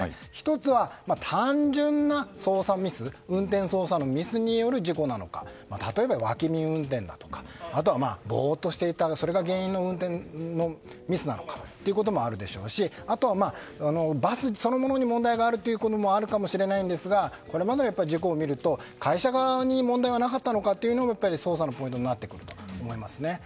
１つは、単純な操作ミス運転操作のミスによる事故なのか例えば、脇見運転だとかあとは、ぼーっとしていたそれが原因のミスなのかということもあるでしょうしあとはバスそのものに問題があることもあるかもしれないんですがこれまでの事故を見ると会社側に問題はなかったのかというのも捜査のポイントになってくると思いますね。